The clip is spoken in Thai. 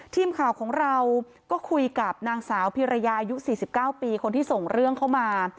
ทีมข่าวของเราก็คุยกับนางสาวพิรยาอายุ๔๙ปีคนที่ส่งเรื่องเข้ามา